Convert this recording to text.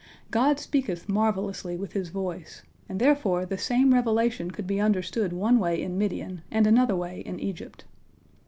God speaketh marvellously with His voice, and therefore the same revelation could be understood one way in Midian and another way in Egypt.